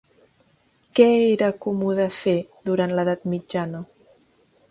Què era comú de fer durant l'edat mitjana?